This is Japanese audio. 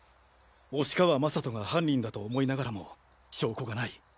押川将斗が犯人だと思いながらも証拠がない